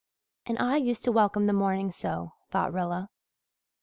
"And I used to welcome the mornings so," thought Rilla.